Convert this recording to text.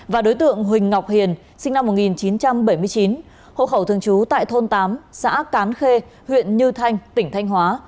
và đối tượng huỳnh ngọc hiền sinh năm một nghìn chín trăm bảy mươi chín hộ khẩu thường trú tại thôn tám xã cán khê huyện như thanh tỉnh thanh hóa